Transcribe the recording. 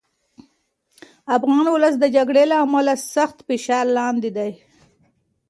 افغان ولس د جګړې له امله سخت فشار لاندې دی.